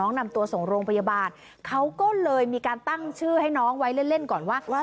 นำตัวส่งโรงพยาบาลเขาก็เลยมีการตั้งชื่อให้น้องไว้เล่นก่อนว่า